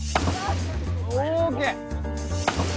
ＯＫ